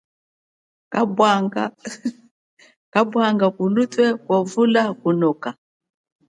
Twanyanga kulutwe lia vula kunoka.